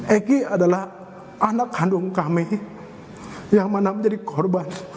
eki adalah anak kandung kami yang mana menjadi korban